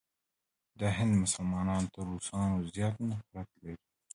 د هند مسلمانان تر روسانو زیات نفرت لري.